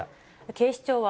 警視庁は、